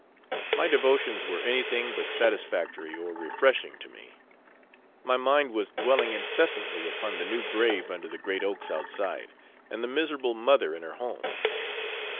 My devotions were anything but satisfactory or refreshing to me. My mind was dwelling incessantly upon the new grave under the great oaks outside, and the miserable mother in her home.